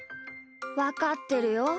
わかってるよ。